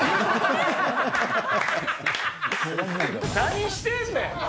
何してんねん。